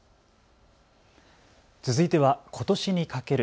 続いては、ことしにかける。